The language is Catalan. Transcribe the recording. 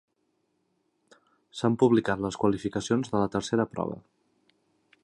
S'han publicat les qualificacions de la tercera prova.